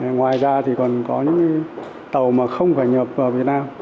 ngoài ra còn có những tàu không phải nhập vào việt nam